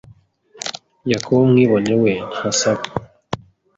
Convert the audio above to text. Yakobo Umwibone we ntasaba